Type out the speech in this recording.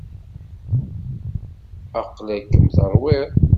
Aqla-kem terwiḍ.